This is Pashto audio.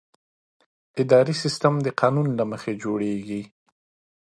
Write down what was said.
اداري سیستم د قانون له مخې جوړېږي.